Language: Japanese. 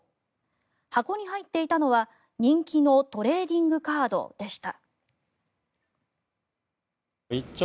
箱に入っていたのは、人気のトレーディングカードでした。